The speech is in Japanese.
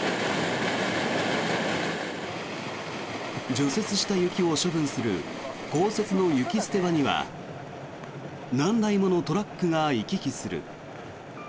除雪した雪を処分する公設の雪捨て場には何台ものトラックが行き来する。